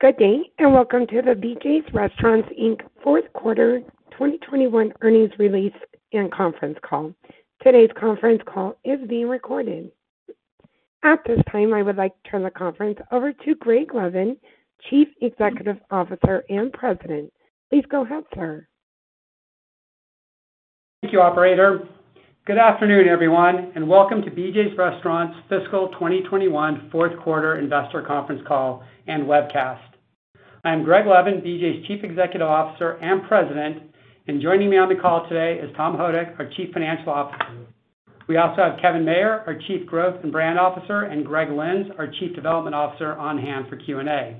Good day, and welcome to the BJ's Restaurants, Inc. fourth quarter 2021 earnings release and conference call. Today's conference call is being recorded. At this time, I would like to turn the conference over to Greg Levin, Chief Executive Officer and President. Please go ahead, sir. Thank you, operator. Good afternoon, everyone, and welcome to BJ's Restaurants' fiscal 2021 fourth quarter investor conference call and webcast. I'm Greg Levin, BJ's Chief Executive Officer and President, and joining me on the call today is Tom Houdek, our Chief Financial Officer. We also have Kevin Mayer, our Chief Growth and Brand Officer, and Greg Lynds, our Chief Development Officer on hand for Q&A.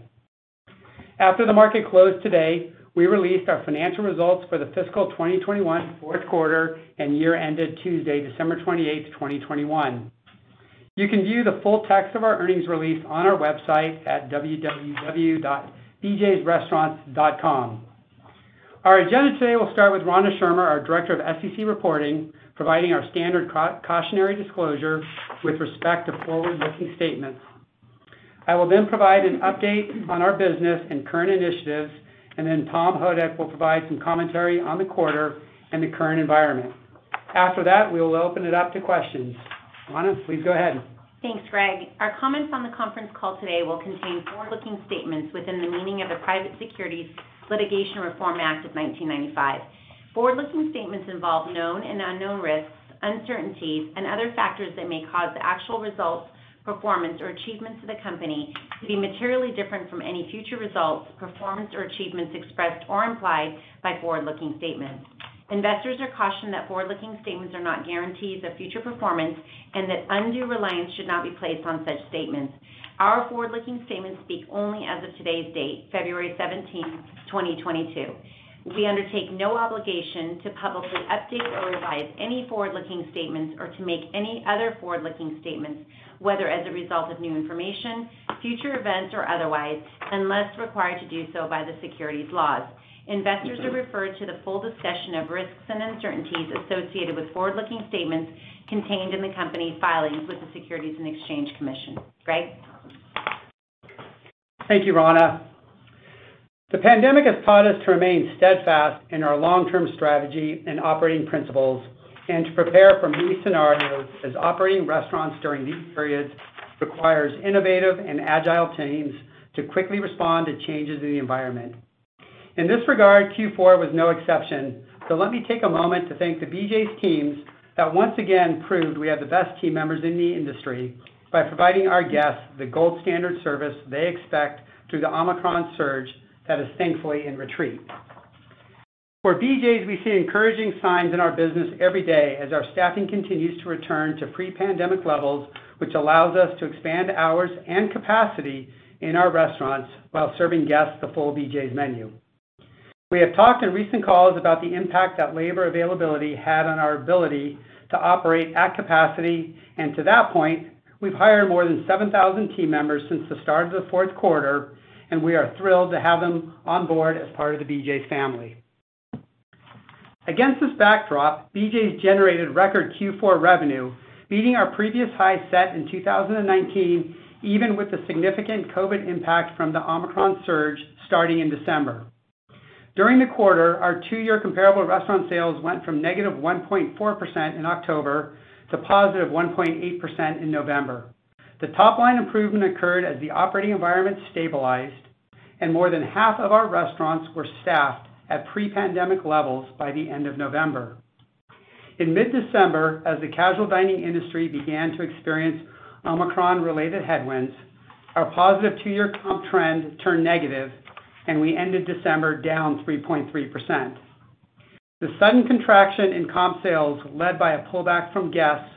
After the market closed today, we released our financial results for the fiscal 2021 fourth quarter and year-ended Tuesday, December 28, 2021. You can view the full text of our earnings release on our website at www.bjsrestaurants.com. Our agenda today will start with Rana Schirmer, our Director of SEC Reporting, providing our standard cautionary disclosure with respect to forward-looking statements. I will then provide an update on our business and current initiatives, and then Tom Houdek will provide some commentary on the quarter and the current environment. After that, we will open it up to questions. Rana, please go ahead. Thanks, Greg. Our comments on the conference call today will contain forward-looking statements within the meaning of the Private Securities Litigation Reform Act of 1995. Forward-looking statements involve known and unknown risks, uncertainties, and other factors that may cause the actual results, performance, or achievements of the company to be materially different from any future results, performance, or achievements expressed or implied by forward-looking statements. Investors are cautioned that forward-looking statements are not guarantees of future performance and that undue reliance should not be placed on such statements. Our forward-looking statements speak only as of today's date, February 17, 2022. We undertake no obligation to publicly update or revise any forward-looking statements or to make any other forward-looking statements, whether as a result of new information, future events, or otherwise, unless required to do so by the securities laws. Investors are referred to the full discussion of risks and uncertainties associated with forward-looking statements contained in the company's filings with the Securities and Exchange Commission. Greg? Thank you, Rana. The pandemic has taught us to remain steadfast in our long-term strategy and operating principles and to prepare for many scenarios as operating restaurants during these periods requires innovative and agile teams to quickly respond to changes in the environment. In this regard, Q4 was no exception, so let me take a moment to thank the BJ's teams that once again proved we have the best team members in the industry by providing our guests the gold standard service they expect through the Omicron surge that is thankfully in retreat. For BJ's, we see encouraging signs in our business every day as our staffing continues to return to pre-pandemic levels, which allows us to expand hours and capacity in our restaurants while serving guests the full BJ's menu. We have talked in recent calls about the impact that labor availability had on our ability to operate at capacity, and to that point, we've hired more than 7,000 team members since the start of the fourth quarter, and we are thrilled to have them on board as part of the BJ's family. Against this backdrop, BJ's generated record Q4 revenue, beating our previous high set in 2019, even with the significant COVID impact from the Omicron surge starting in December. During the quarter, our two-year comparable restaurant sales went from negative 1.4% in October to positive 1.8% in November. The top line improvement occurred as the operating environment stabilized and more than half of our restaurants were staffed at pre-pandemic levels by the end of November. In mid-December, as the casual dining industry began to experience Omicron-related headwinds, our positive two-year comp trend turned negative and we ended December down 3.3%. The sudden contraction in comp sales led by a pullback from guests,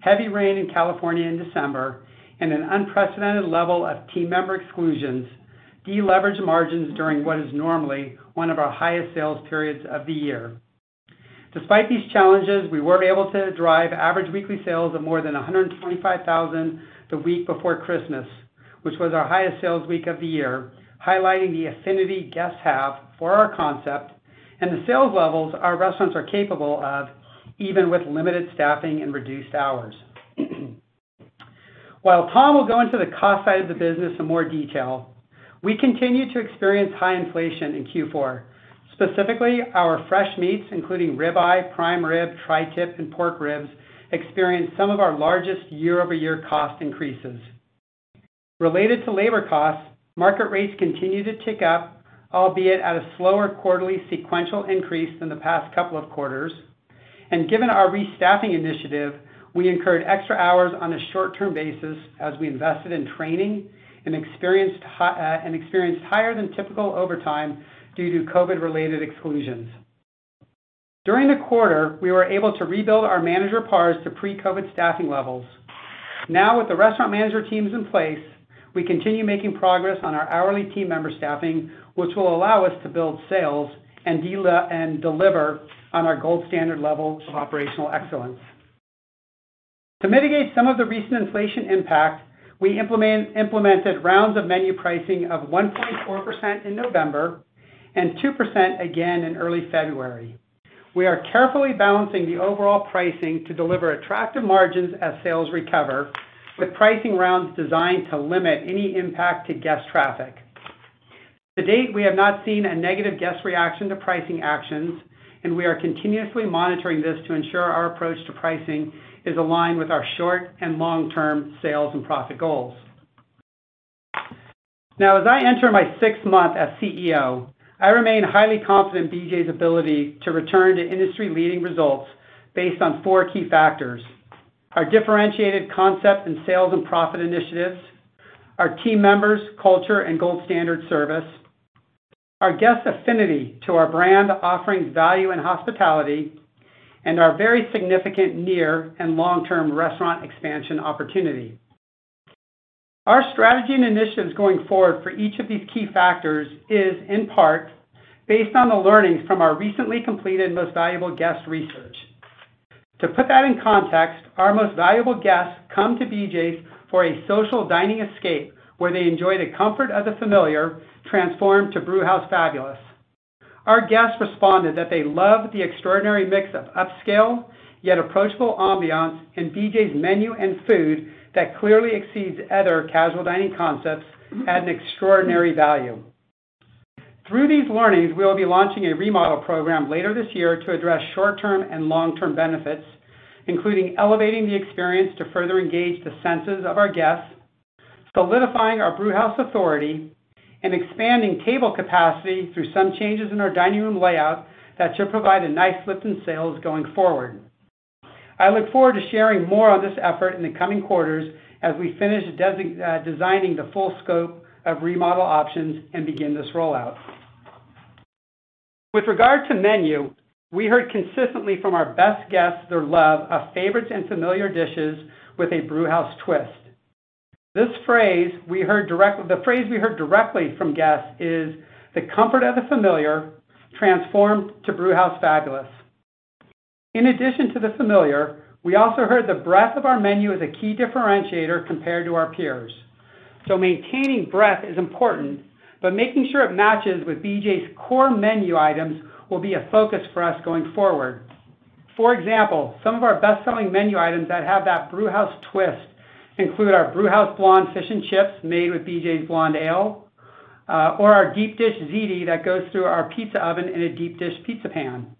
heavy rain in California in December, and an unprecedented level of team member exclusions deleveraged margins during what is normally one of our highest sales periods of the year. Despite these challenges, we were able to drive average weekly sales of more than $125,000 the week before Christmas, which was our highest sales week of the year, highlighting the affinity guests have for our concept and the sales levels our restaurants are capable of, even with limited staffing and reduced hours. While Tom will go into the cost side of the business in more detail, we continue to experience high inflation in Q4. Specifically, our fresh meats, including rib eye, prime rib, tri-tip, and pork ribs, experienced some of our largest year-over-year cost increases. Related to labor costs, market rates continue to tick up, albeit at a slower quarterly sequential increase than the past couple of quarters. Given our restaffing initiative, we incurred extra hours on a short-term basis as we invested in training and experienced higher than typical overtime due to COVID-related exclusions. During the quarter, we were able to rebuild our manager pars to pre-COVID staffing levels. Now, with the restaurant manager teams in place, we continue making progress on our hourly team member staffing, which will allow us to build sales and deliver on our gold standard levels of operational excellence. To mitigate some of the recent inflation impact, we implemented rounds of menu pricing of 1.4% in November and 2% again in early February. We are carefully balancing the overall pricing to deliver attractive margins as sales recover, with pricing rounds designed to limit any impact to guest traffic. To date, we have not seen a negative guest reaction to pricing actions, and we are continuously monitoring this to ensure our approach to pricing is aligned with our short and long-term sales and profit goals. Now, as I enter my sixth month as CEO, I remain highly confident in BJ's ability to return to industry-leading results based on four key factors, our differentiated concept in sales and profit initiatives, our team members culture and gold standard service, our guest affinity to our brand offerings value and hospitality, and our very significant near and long-term restaurant expansion opportunity. Our strategy and initiatives going forward for each of these key factors is in part based on the learnings from our recently completed most valuable guest research. To put that in context, our most valuable guests come to BJ's for a social dining escape where they enjoy the comfort of the familiar, transformed to Brewhouse Fabulous. Our guests responded that they love the extraordinary mix of upscale yet approachable ambiance in BJ's menu and food that clearly exceeds other casual dining concepts at an extraordinary value. Through these learnings, we'll be launching a remodel program later this year to address short-term and long-term benefits, including elevating the experience to further engage the senses of our guests, solidifying our Brewhouse authority, and expanding table capacity through some changes in our dining room layout that should provide a nice lift in sales going forward. I look forward to sharing more on this effort in the coming quarters as we finish designing the full scope of remodel options and begin this rollout. With regard to menu, we heard consistently from our best guests their love of favorites and familiar dishes with a Brewhouse twist. This phrase we heard. The phrase we heard directly from guests is, "The comfort of the familiar transformed to Brewhouse Fabulous." In addition to the familiar, we also heard the breadth of our menu is a key differentiator compared to our peers. Maintaining breadth is important, but making sure it matches with BJ's core menu items will be a focus for us going forward. For example, some of our best-selling menu items that have that Brewhouse twist include our Brewhouse Blonde Fish and Chips made with BJ's blonde ale, or our Deep Dish Ziti that goes through our pizza oven in a deep dish pizza pan.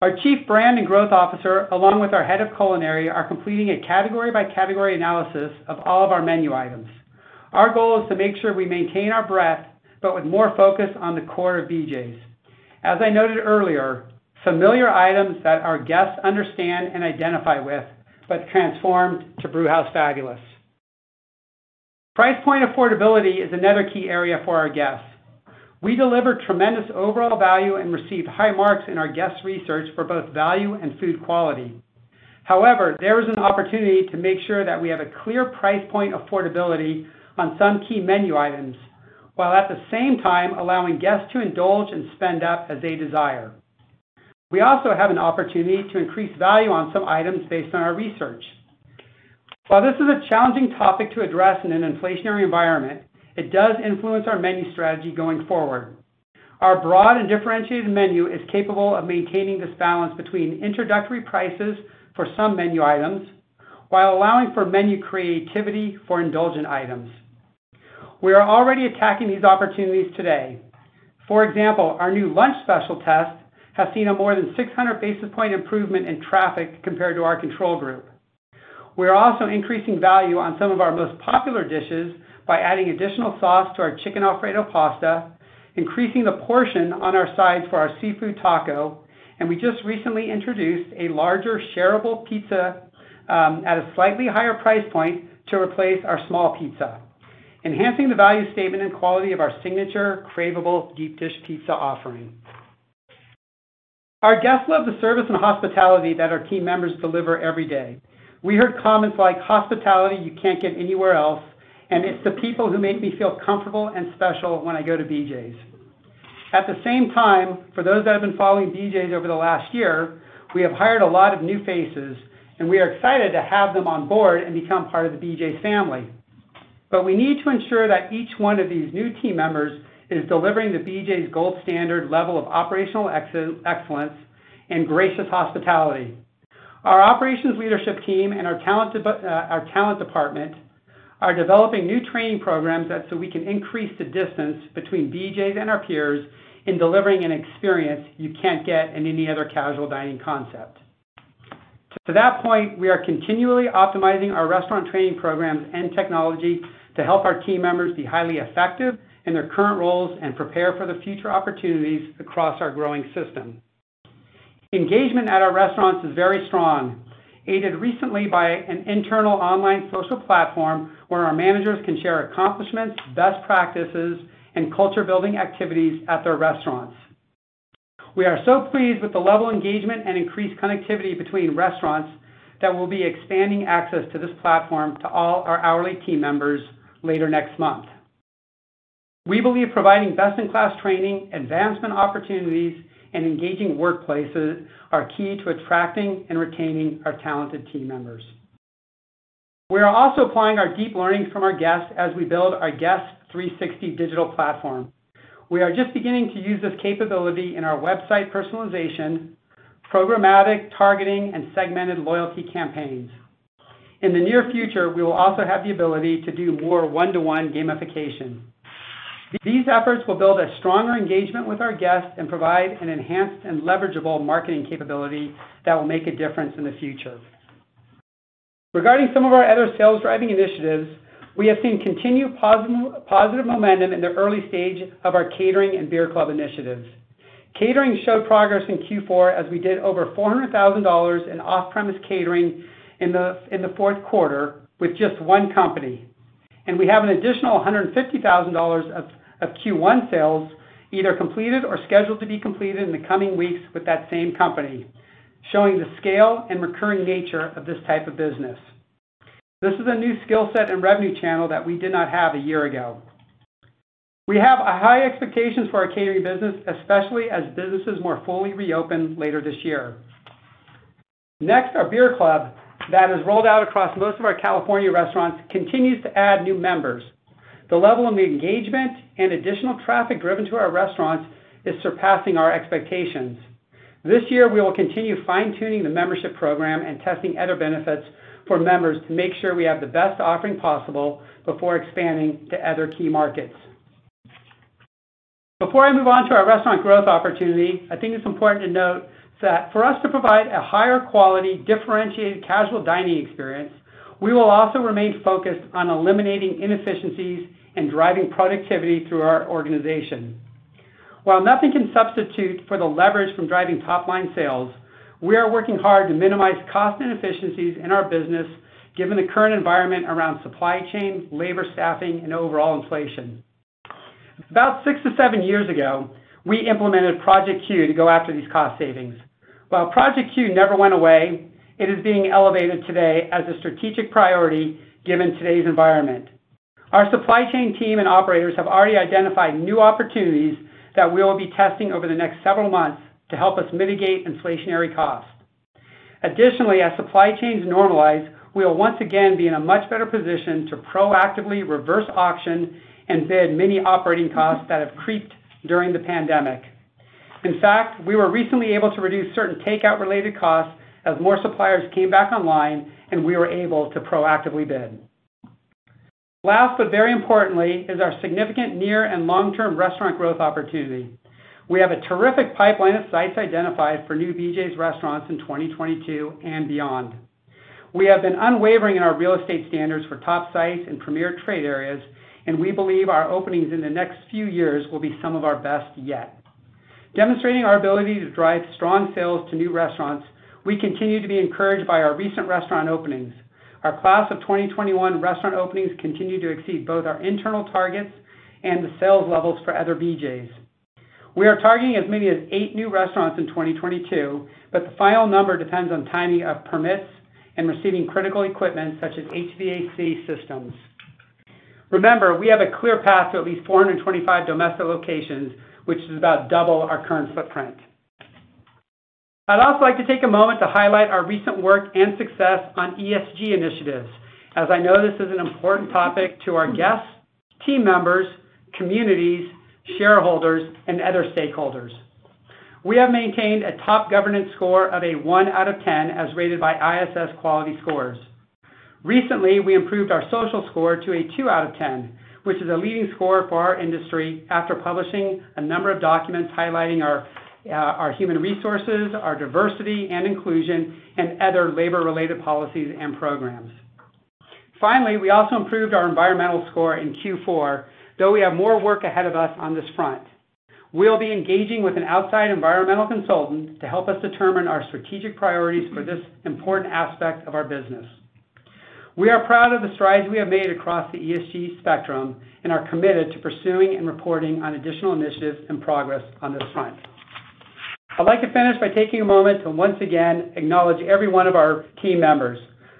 Our Chief Growth and Brand Officer, along with our head of culinary, are completing a category-by-category analysis of all of our menu items. Our goal is to make sure we maintain our breadth, but with more focus on the core of BJ's. As I noted earlier, familiar items that our guests understand and identify with, but transformed to Brewhouse Fabulous. Price point affordability is another key area for our guests. We deliver tremendous overall value and receive high marks in our guest research for both value and food quality. However, there is an opportunity to make sure that we have a clear price point affordability on some key menu items, while at the same time allowing guests to indulge and spend up as they desire. We also have an opportunity to increase value on some items based on our research. While this is a challenging topic to address in an inflationary environment, it does influence our menu strategy going forward. Our broad and differentiated menu is capable of maintaining this balance between introductory prices for some menu items while allowing for menu creativity for indulgent items. We are already attacking these opportunities today. For example, our new lunch special test has seen a more than 600 basis points improvement in traffic compared to our control group. We're also increasing value on some of our most popular dishes by adding additional sauce to our Chicken Alfredo pasta, increasing the portion on our side for our seafood taco, and we just recently introduced a larger shareable pizza at a slightly higher price point to replace our small pizza, enhancing the value statement and quality of our signature craveable deep dish pizza offering. Our guests love the service and hospitality that our team members deliver every day. We heard comments like, "Hospitality you can't get anywhere else," and, "It's the people who make me feel comfortable and special when I go to BJ's." At the same time, for those that have been following BJ's over the last year, we have hired a lot of new faces, and we are excited to have them on board and become part of the BJ's family. We need to ensure that each one of these new team members is delivering the BJ's gold standard level of operational excellence and gracious hospitality. Our operations leadership team and our talent department are developing new training programs so we can increase the distance between BJ's and our peers in delivering an experience you can't get in any other casual dining concept. To that point, we are continually optimizing our restaurant training programs and technology to help our team members be highly effective in their current roles and prepare for the future opportunities across our growing system. Engagement at our restaurants is very strong, aided recently by an internal online social platform where our managers can share accomplishments, best practices, and culture-building activities at their restaurants. We are so pleased with the level of engagement and increased connectivity between restaurants that we'll be expanding access to this platform to all our hourly team members later next month. We believe providing best-in-class training, advancement opportunities, and engaging workplaces are key to attracting and retaining our talented team members. We are also applying our deep learnings from our guests as we build our Guest 360 digital platform. We are just beginning to use this capability in our website personalization, programmatic targeting, and segmented loyalty campaigns. In the near future, we will also have the ability to do more one-to-one gamification. These efforts will build a stronger engagement with our guests and provide an enhanced and leverageable marketing capability that will make a difference in the future. Regarding some of our other sales-driving initiatives, we have seen continued positive momentum in the early stage of our catering and beer club initiatives. Catering showed progress in Q4 as we did over $400,000 in off-premise catering in the fourth quarter with just one company. We have an additional $150,000 of Q1 sales either completed or scheduled to be completed in the coming weeks with that same company, showing the scale and recurring nature of this type of business. This is a new skill set and revenue channel that we did not have a year ago. We have a high expectations for our catering business, especially as businesses more fully reopen later this year. Next, our beer club that has rolled out across most of our California restaurants continues to add new members. The level of engagement and additional traffic driven to our restaurants is surpassing our expectations. This year, we will continue fine-tuning the membership program and testing other benefits for members to make sure we have the best offering possible before expanding to other key markets. Before I move on to our restaurant growth opportunity, I think it's important to note that for us to provide a higher quality, differentiated casual dining experience, we will also remain focused on eliminating inefficiencies and driving productivity through our organization. While nothing can substitute for the leverage from driving top-line sales, we are working hard to minimize cost inefficiencies in our business given the current environment around supply chain, labor staffing, and overall inflation. About six to seven years ago, we implemented Project Q to go after these cost savings. While Project Q never went away, it is being elevated today as a strategic priority given today's environment. Our supply chain team and operators have already identified new opportunities that we will be testing over the next several months to help us mitigate inflationary costs. Additionally, as supply chains normalize, we will once again be in a much better position to proactively reverse auction and bid many operating costs that have creeped during the pandemic. In fact, we were recently able to reduce certain takeout-related costs as more suppliers came back online and we were able to proactively bid. Last, but very importantly, is our significant near and long-term restaurant growth opportunity. We have a terrific pipeline of sites identified for new BJ's Restaurants in 2022 and beyond. We have been unwavering in our real estate standards for top sites and premier trade areas, and we believe our openings in the next few years will be some of our best yet. Demonstrating our ability to drive strong sales to new resaurants, we continue to be encouraged by our recent restaurant openings. Our class of 2021 restaurant openings continue to exceed both our internal targ ets and the sales levels for other BJ's. We are targeting as many as eight new restaurants in 2022, but the final number depends on timing of permits and receiving critical equipment such as HVAC systems. Remember, we have a clear path to at least 425 domestic locations, which is about double our current footprint. I'd also like to take a moment to highlight our recent work and success on ESG initiatives, as I know this is an important topic to our guests, team members, communities, shareholders, and other stakeholders. We have maintained a top governance score of a one out of 10 as rated by ISS QualityScore. Recently, we improved our social score to a two out of 10, which is a leading score for our industry after publishing a number of documents highlighting our human resources, our diversity and inclusion, and other labor-related policies and programs. Finally, we also improved our environmental score in Q4, though we have more work ahead of us on this front. We'll be engaging with an outside environmental consultant to help us determine our strategic priorities for this important aspect of our business. We are proud of the strides we have made across the ESG spectrum and are committed to pursuing and reporting on additional initiatives and progress on this front. I'd like to finish by taking a moment to once again acknowledge every one of our team members.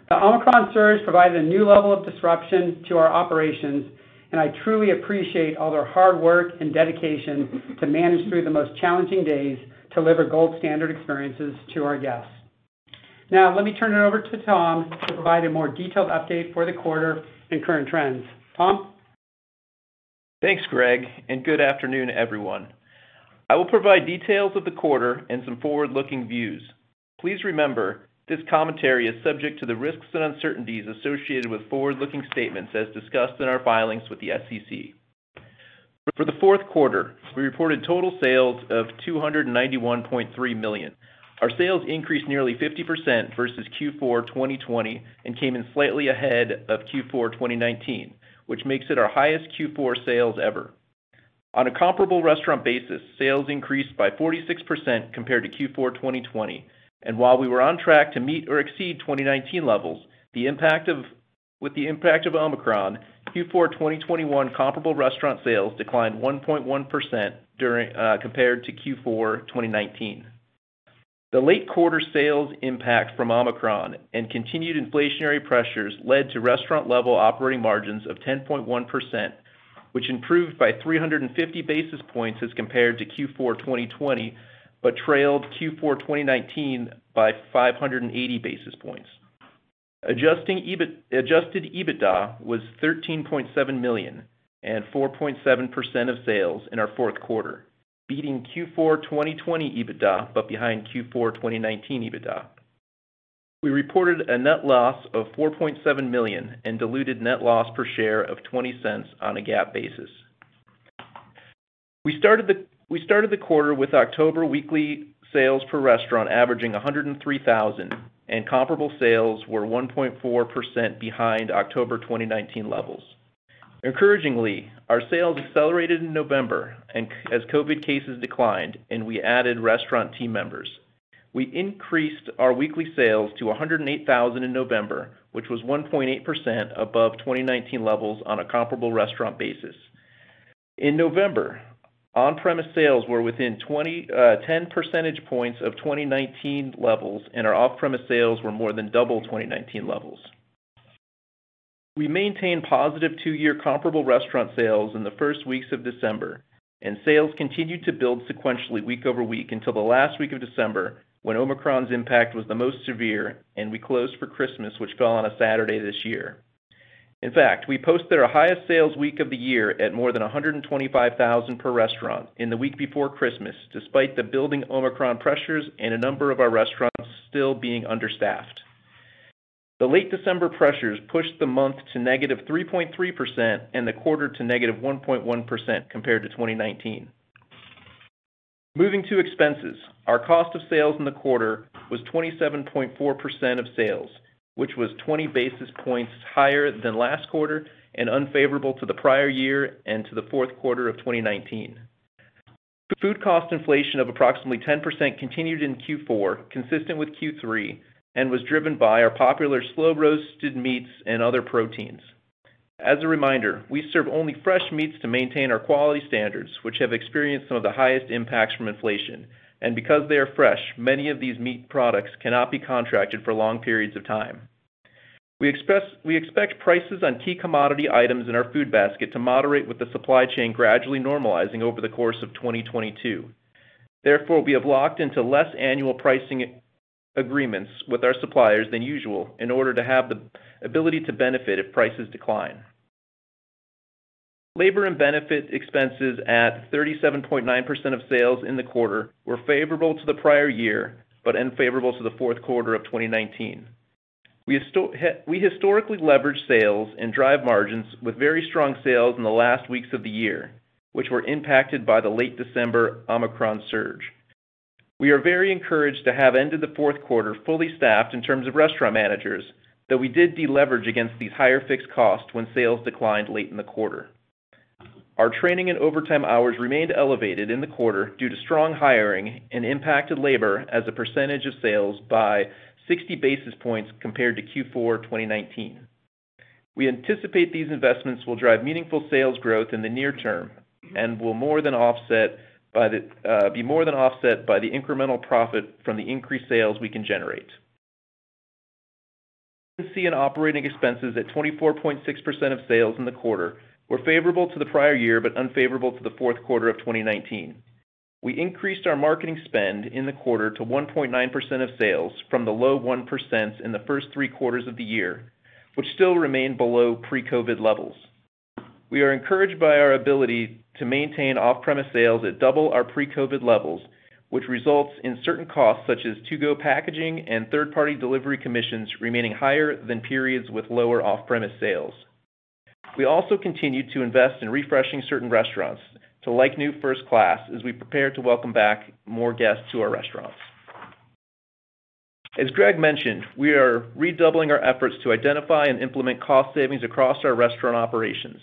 The Omicron surge provided a new level of disruption to our operations, and I truly appreciate all their hard work and dedication to manage through the most challenging days to deliver gold standard experiences to our guests. Now, let me turn it over to Tom to provide a more detailed update for the quarter and current trends. Tom? Thanks, Greg, and good afternoon, everyone. I will provide details of the quarter and some forward-looking views. Please remember, this commentary is subject to the risks and uncertainties associated with forward-looking statements as discussed in our filings with the SEC. For the fourth quarter, we reported total sales of291.3 million. Our sales increased nearly 50% versus Q4 2020 and came in slightly ahead of Q4 2019, which makes it our highest Q4 s ales ever. On a comparable restaurant basis, sales increased by 46% compared to Q4 2020. While we were on track to meet or exceed 2019 levels, the impact of Omicron, Q4 2021 comparable restaurant sales declined 1.1% compared to Q4 2019. The late quarter sales impact from Omicron and continued inflationary pressures led to restaurant-level operating margins of 10.1%, which improved by 350 basis points as compared to Q4 2020, but trailed Q4 2019 by 580 basis points. Adjusted EBITDA was 13.7 million and 4.7% of sales in our fourth quarter, beating Q4 2020 EBITDA but behind Q4 2019 EBITDA. We reported a net loss of 4.7 million and diluted net loss per share of 0.20 on a GAAP basis. We started the quarter with October weekly sales per restaurant averaging 103,000, and comparable sales were 1.4% behind October 2019 levels. Encouragingly, our sales accelerated in November and as COVID cases declined, and we added restaurant team members. We increased our weekly sales to 108,000 in November, which was 1.8% above 2019 levels on a comparable restaurant basis. In November, on-premise sales were within ten percentage points of 2019 levels, and our off-premise sales were more than double 2019 levels. We maintained positive two-year comparable restaurant sales in the first weeks of December, and sales continued to build sequentially week-over-week until the last week of December, when Omicron's impact was the most severe and we closed for Christmas, which fell on a Saturday this year. In fact, we posted our highest sales week of the year at more than 125,000 per restaurant in the week before Christmas, despite the building Omicron pressures and a number of our restaurants still being understaffed. The late December pressures pushed the month to -3.3% and the quarter to -1.1% compared to 2019. Moving to expenses. Our cost of sales in the quarter was 27.4% of sales, which was 20 basis points higher than last quarter and unfavorable to the prior year and to the fourth quarter of 2019. Food cost inflation of approximately 10% continued in Q4, consistent with Q3, and was driven by our popular slow-roasted meats and other proteins. As a reminder, we serve only fresh meats to maintain our quality standards, which have experienced some of the highest impacts from inflation. Because they are fresh, many of these meat products cannot be contracted for long periods of time. We expect prices on key commodity items in our food basket to moderate with the supply chain gradually normalizing over the course of 2022. Therefore, we have locked into less annual pricing agreements with our suppliers than usual in order to have the ability to benefit if prices decline. Labor and benefit expenses at 37.9% of sales in the quarter were favorable to the prior year, but unfavorable to the fourth quarter of 2019. We historically leverage sales and drive margins with very strong sales in the last weeks of the year, which were impacted by the late December Omicron surge. We are very encouraged to have ended the fourth quarter fully staffed in terms of restaurant managers, though we did deleverage against these higher fixed costs when sales declined late in the quarter. Our training and overtime hours remained elevated in the quarter due to strong hiring and impacted labor as a percentage of sales by 60 basis points compared to Q4 2019. We anticipate these investments will drive meaningful sales growth in the near term and will be more than offset by the incremental profit from the increased sales we can generate. Efficiency and operating expenses at 24.6% of sales in the quarter were favorable to the prior year, but unfavorable to the fourth quarter of 2019. We increased our marketing spend in the quarter to 1.9% of sales from the low 1%s in the first three quarters of the year, which still remain below pre-COVID levels. We are encouraged by our ability to maintain off-premise sales at double our pre-COVID levels, which results in certain costs such as to-go packaging and third-party delivery commissions remaining higher than periods with lower off-premise sales. We also continue to invest in refreshing certain restaurants to like new first class as we prepare to welcome back more guests to our restaurants. As Greg mentioned, we are redoubling our efforts to identify and implement cost savings across our restaurant operations.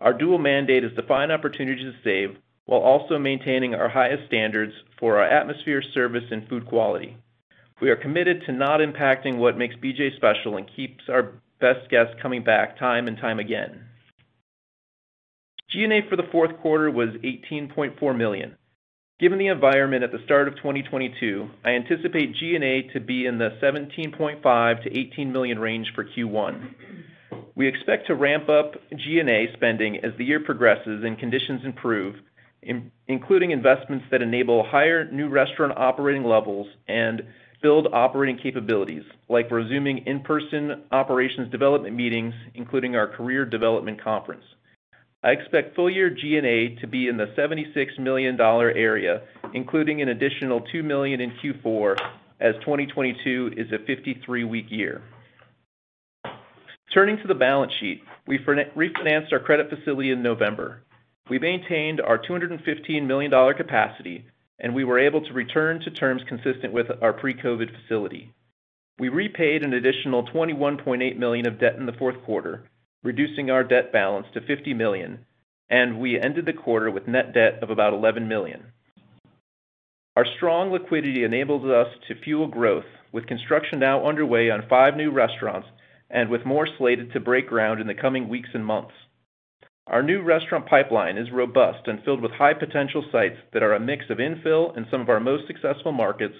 Our dual mandate is to find opportunities to save while also maintaining our highest standards for our atmosphere, service, and food quality. We are committed to not impacting what makes BJ's special and keeps our best guests coming back time and time again. G&A for the fourth quarter was 18.4 million. Given the environment at the start of 2022, I anticipate G&A to be in the 17.5 million-18 million range for Q1. We expect to ramp up G&A spending as the year progresses and conditions improve, including investments that enable higher new restaurant operating levels and build operating capabilities, like resuming in-person operations development meetings, including our career development conference. I expect full year G&A to be in the $76 million area, including an additional 2 million in Q4 as 2022 is a 53-week year. Turning to the balance sheet, we refinanced our credit facility in November. We maintained our $215 million capacity, and we were able to return to terms consistent with our pre-COVID facility. We repaid an additional 21.8 million of debt in the fourth quarter, reducing our debt balance to 50 million, and we ended the quarter with net debt of about 11 million. Our strong liquidity enables us to fuel growth with construction now underway on five new restaurants and with more slated to break ground in the coming weeks and months. Our new restaurant pipeline is robust and filled with high potential sites that are a mix of infill in some of our most successful markets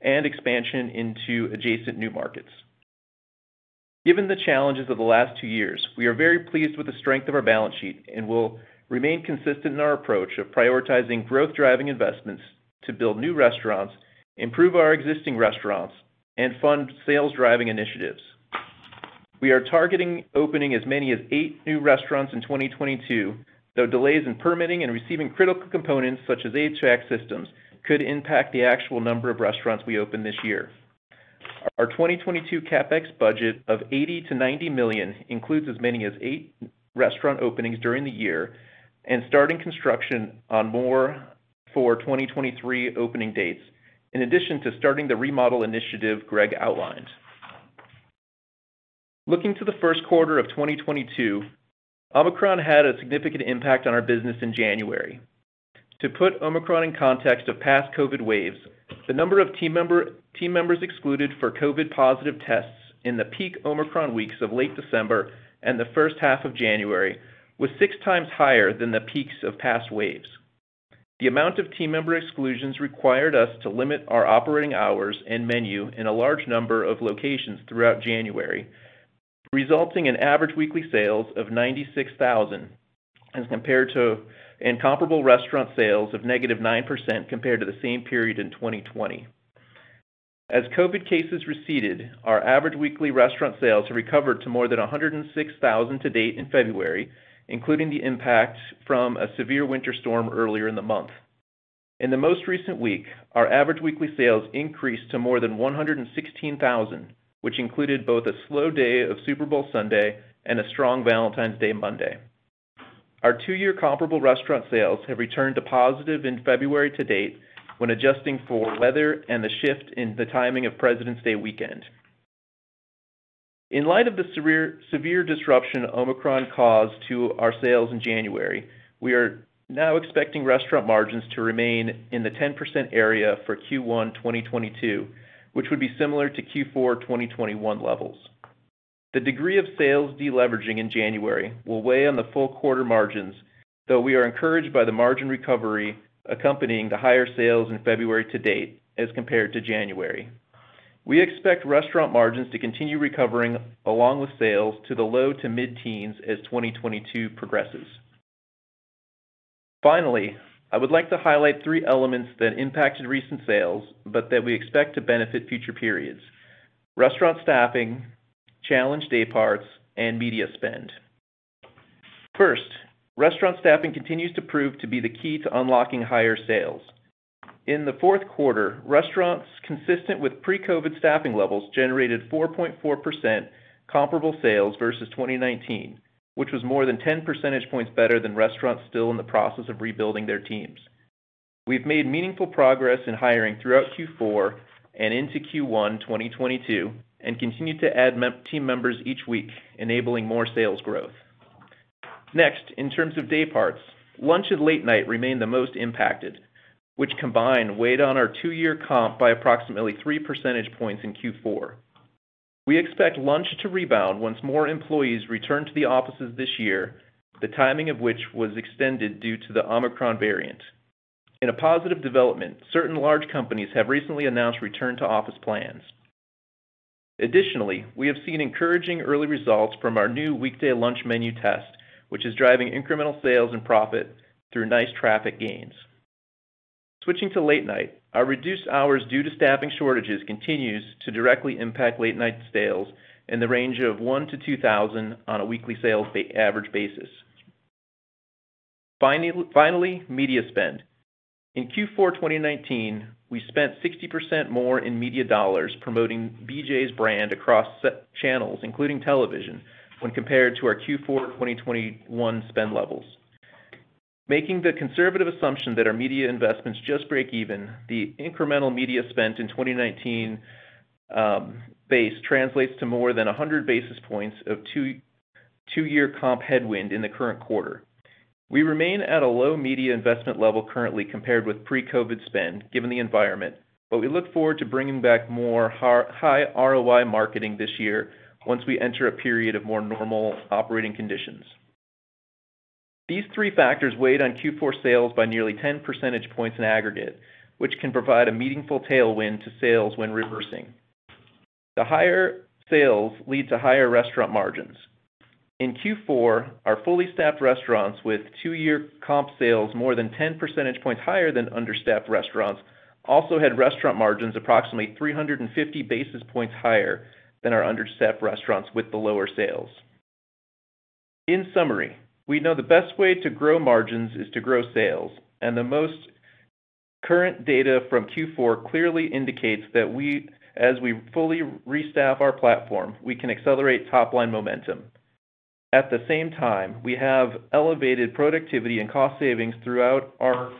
and expansion into adjacent new markets. Given the challenges of the last two years, we are very pleased with the strength of our balance sheet, and we'll remain consistent in our approach of prioritizing growth-driving investments to build new restaurants, improve our existing restaurants, and fund sales-driving initiatives. We are targeting opening as many as eight new restaurants in 2022, though delays in permitting and receiving critical components such as HVAC systems could impact the actual number of restaurants we open this year. Our 2022 CapEx budget of 80 million-90 million includes as many as eight restaurant openings during the year and starting construction on more for 2023 opening dates, in addition to starting the remodel initiative Greg outlined. Looking to the first quarter of 2022, Omicron had a significant impact on our business in January. To put Omicron in context of past COVID waves, the number of team members excluded for COVID positive tests in the peak Omicron weeks of late December and the first half of January was six times higher than the peaks of past waves. The amount of team member exclusions required us to limit our operating hours and menu in a large number of locations throughout January, resulting in average weekly sales of 96,000 and comparable restaurant sales of -9% compared to the same period in 2020. As COVID cases receded, our average weekly restaurant sales recovered to more than 106,000 to date in February, including the impact from a severe winter storm earlier in the month. In the most recent week, our average weekly sales increased to more than 116,000, which included both a slow day of Super Bowl Sunday and a strong Valentine's Day Monday. Our two-year comparable restaurant sales have returned to positive in February to date when adjusting for weather and the shift in the timing of Presidents' Day weekend. In light of the severe disruption Omicron caused to our sales in January, we are now expecting restaurant margins to remain in the 10% area for Q1 2022, which would be similar to Q4 2021 levels. The degree of sales deleveraging in January will weigh on the full quarter margins, though we are encouraged by the margin recovery accompanying the higher sales in February to date as compared to January. We expect restaurant margins to continue recovering along with sales to the low- to mid-teens% as 2022 progresses. Finally, I would like to highlight three elements that impacted recent sales but that we expect to benefit future periods. Restaurant staffing, challenged day parts, and media spend. First, restaurant staffing continues to prove to be the key to unlocking higher sales. In the fourth quarter, restaurants consistent with pre-COVID staffing levels generated 4.4% comparable sales versus 2019, which was more than 10 percentage points better than restaurants still in the process of rebuilding their teams. We've made meaningful progress in hiring throughout Q4 and into Q1 2022 and continue to add team members each week, enabling more sales growth. Next, in terms of day parts, lunch and late night remain the most impacted, which combined weighed on our two-year comp by approximately three percentage points in Q4. We expect lunch to rebound once more employees return to the offices this year, the timing of which was extended due to the Omicron variant. In a positive development, certain large companies have recently announced return to office plans. Additionally, we have seen encouraging early results from our new weekday lunch menu test, which is driving incremental sales and profit through nice traffic gains. Switching to late night, our reduced hours due to staffing shortages continues to directly impact late-night sales in the range of 1,000-2,000 on a weekly sales average basis. Finally, media spend. In Q4 2019, we spent 60% more in media dollars promoting BJ's brand across channels, including television, when compared to our Q4 2021 spend levels. Making the conservative assumption that our media investments just break even, the incremental media spent in 2019 base translates to more than 100 basis points of two-year comp headwind in the current quarter. We remain at a low media investment level currently compared with pre-COVID spend given the environment, but we look forward to bringing back more high ROI marketing this year once we enter a period of more normal operating conditions. These three factors weighed on Q4 sales by nearly 10 percentage points in aggregate, which can provide a meaningful tailwind to sales when reversing. The higher sales lead to higher restaurant margins. In Q4, our fully staffed restaurants with two-year comp sales more than 10 percentage points higher than understaffed restaurants also had restaurant margins approximately 350 basis points higher than our understaffed restaurants with the lower sales. In summary, we know the best way to grow margins is to grow sales, and the most current data from Q4 clearly indicates that as we fully restaff our platform, we can accelerate top-line momentum. At the same time, we have elevated productivity and cost savings throughout our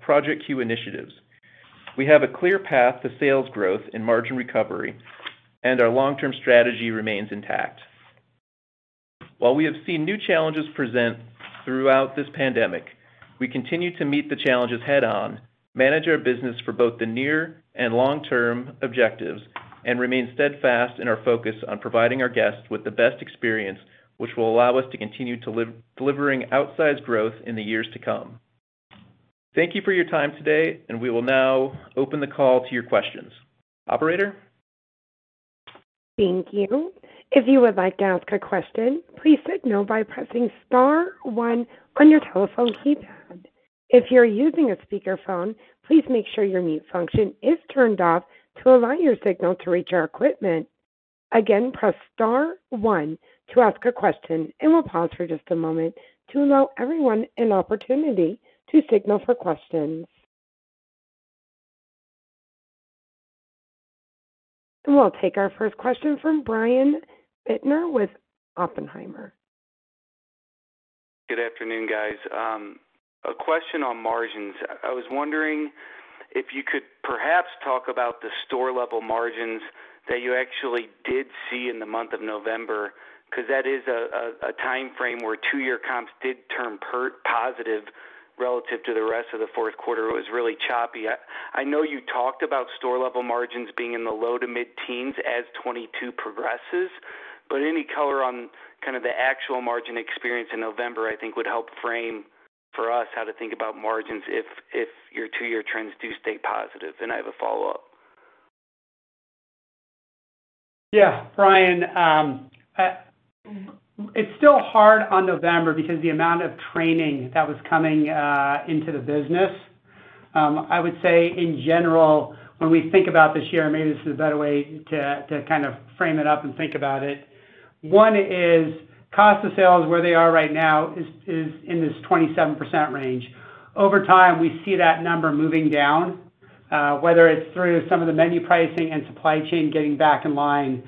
Project Q initiatives. We have a clear path to sales growth and margin recovery, and our long-term strategy remains intact. While we have seen new challenges present throughout this pandemic, we continue to meet the challenges head-on, manage our business for both the near and long-term objectives, and remain steadfast in our focus on providing our guests with the best experience which will allow us to continue delivering outsized growth in the years to come. Thank you for your time today, and we will now open the call to your questions. Operator? Thank you. If you would like to ask a question, please signal by pressing star one on your telephone keypad. If you're using a speakerphone, please make sure your mute function is turned off to allow your signal to reach our equipment. Again, press star one to ask a question, and we'll pause for just a moment to allow everyone an opportunity to signal for questions. We'll take our first question from Brian Bittner with Oppenheimer. Good afternoon, guys. A question on margins. I was wondering if you could perhaps talk about the store level margins that you actually did see in the month of November, because that is a time frame where two-year comps did turn positive relative to the rest of the fourth quarter. It was really choppy. I know you talked about store level margins being in the low- to mid-teens% as 2022 progresses, but any color on kind of the actual margin experience in November, I think would help frame for us how to think about margins if your two-year trends do stay positive. Then I have a follow-up. Yeah, Brian. It's still hard on November because the amount of training that was coming into the business. I would say in general, when we think about this year, maybe this is a better way to kind of frame it up and think about it. One is cost of sales, where they are right now is in this 27% range. Over time, we see that number moving down, whether it's through some of the menu pricing and supply chain getting back in line.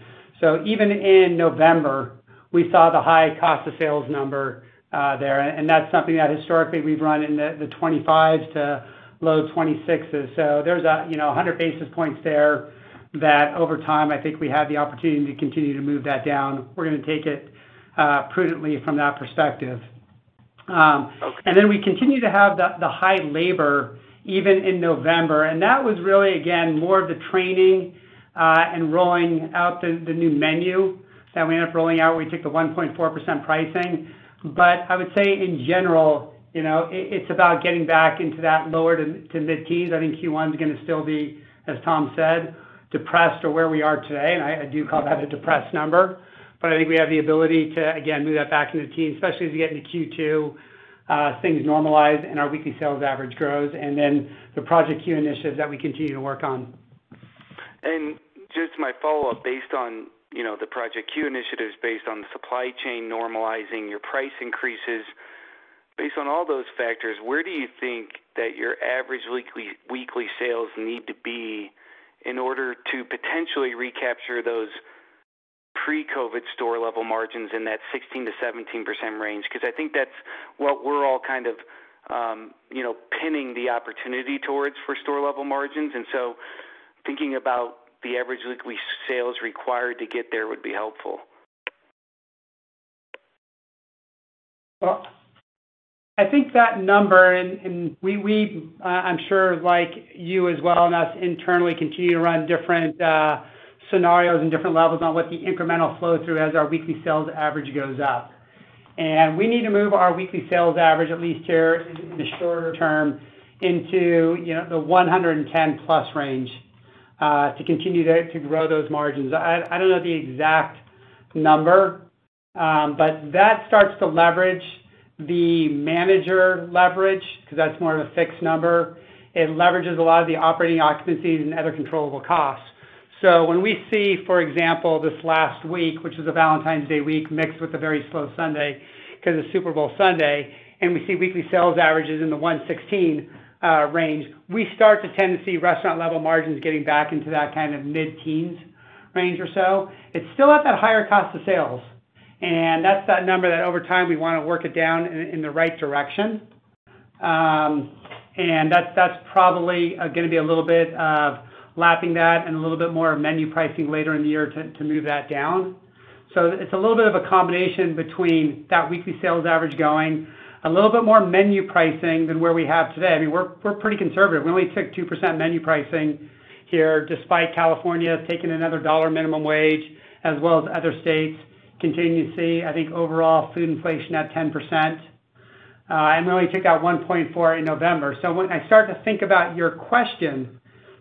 Even in November, we saw the high cost of sales number there, and that's something that historically we've run in the 25s to low 26s. There's you know, 100 basis points there that over time I think we have the opportunity to continue to move that down. We're gonna take it prudently from that perspective. Okay. We continue to have the high labor even in November. That was really, again, more of the training and rolling out the new menu that we end up rolling out. We took the 1.4% pricing. I would say in general, you know, it's about getting back into that lower- to mid-teens. I think Q1 is gonna still be, as Tom said, depressed or where we are today, and I do call that a depressed number. I think we have the ability to again move that back into the teen, especially as we get into Q2, things normalize and our weekly sales average grows, and then the Project Q initiatives that we continue to work on. Just my follow-up, based on, you know, the Project Q initiatives, based on the supply chain normalizing your price increases. Based on all those factors, where do you think that your average weekly sales need to be in order to potentially recapture those pre-COVID store-level margins in that 16%-17% range? Because I think that's what we're all kind of, you know, pinning the opportunity towards for store-level margins. Thinking about the average weekly sales required to get there would be helpful. Well, I think that number and we, I'm sure like you as well, and us internally continue to run different scenarios and different levels on what the incremental flow through as our weekly sales average goes up. We need to move our weekly sales average at least here in the shorter term into, you know, the 110+ range, to continue to grow those margins. I don't know the exact number, but that starts to leverage the manager leverage because that's more of a fixed number. It leverages a lot of the operating occupancies and other controllable costs. When we see, for example, this last week, which is a Valentine's Day week mixed with a very slow Sunday because of Super Bowl Sunday, and we see weekly sales averages in the $116 range, we start to tend to see restaurant level margins getting back into that kind of mid-teens% range or so. It's still at that higher cost of sales, and that's that number that over time we wanna work it down in the right direction. That's probably gonna be a little bit of lapping that and a little bit more menu pricing later in the year to move that down. It's a little bit of a combination between that weekly sales average, a little bit more menu pricing than where we have today. I mean, we're pretty conservative. We only took 2% menu pricing here despite California taking another a dollar minimum wage as well as other states continue to see, I think overall food inflation at 10%. We only took out 1.4% in November. When I start to think about your question,